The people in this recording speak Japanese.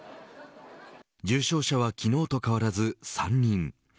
重症者は昨日と変わらず３人。